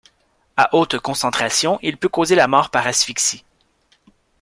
À hautes concentrations, il peut causer la mort par asphyxie.